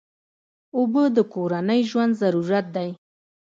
اوبه د کورنۍ ژوند ضرورت دی.